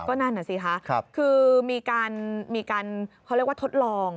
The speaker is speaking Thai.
ก็นั่นสิค่ะคือมีการทดลอง